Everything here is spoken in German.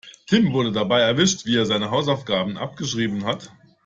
Tim wurde dabei erwischt, wie er seine Hausaufgaben abgeschrieben hat.